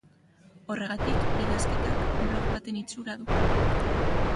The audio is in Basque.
Horregatik, idazketak blog baten itxura du.